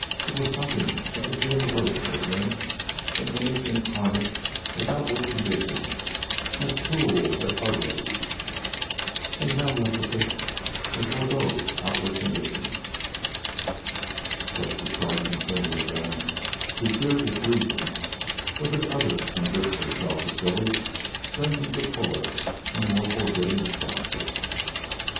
It was something that was being awakened in him, an image incarnate of outward conditions, as cruel, as ugly, as maleficent as were those outward conditions. But if the strike continued, then, she feared, with reason, would this other and grisly self of Billy strengthen to fuller and more forbidding stature.